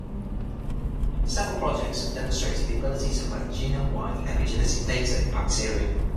Several projects have demonstrated the ability to collect genome-wide epigenetic data in bacteria.